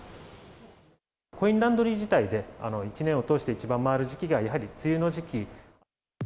コインランドリー自体で一年を通して一番回る時期が、やはり梅雨の時期。